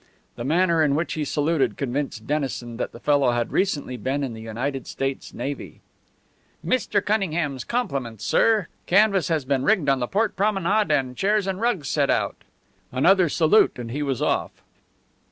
The manner in which he saluted convinced Dennison that the fellow had recently been in the United States Navy. "Mr. Cunningham's compliments, sir. Canvas has been rigged on the port promenade and chairs and rugs set out." Another salute and he was off.